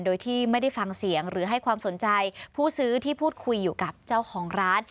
โดยที่ไม่ได้ฟังเสียงหรือให้ความสนใจผู้ซื้อที่พูดคุยอยู่กับเจ้าของร้าน